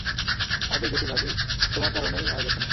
আমাদের বেশিরভাগই তোমার কারণেই আজ এখানে।